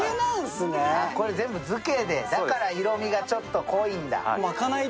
これ、全部漬けで、だから色味が濃いんだ。